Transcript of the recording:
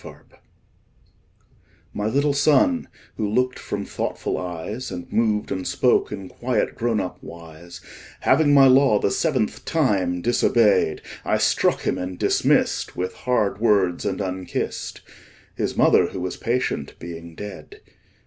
The Toys MY little Son, who look'd from thoughtful eyes And moved and spoke in quiet grown up wise, Having my law the seventh time disobey'd, I struck him, and dismiss'd With hard words and unkiss'd, 5 —His Mother, who was patient, being dead.